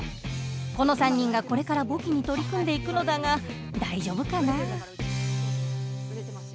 この３人がこれから簿記に取り組んでいくのだが大丈夫かな。